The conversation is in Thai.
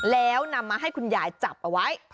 แล้วนำมาให้คุณยายจับเอาไว้